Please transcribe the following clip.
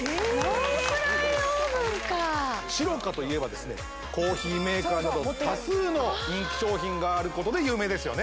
ノンフライオーブンかｓｉｒｏｃａといえばですねコーヒーメーカーなど多数の人気商品があることで有名ですよね